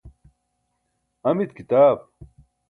amit kitaab?